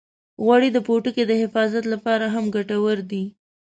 غوړې د پوټکي د حفظ لپاره هم ګټورې دي.